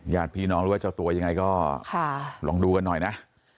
ญาติพี่น้องหรือว่าเจ้าตัวยังไงก็ลองดูกันหน่อยนะ